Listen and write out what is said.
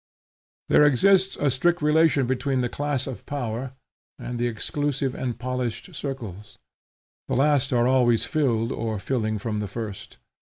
There exists a strict relation between the class of power and the exclusive and polished circles. The last are always filled or filling from the first.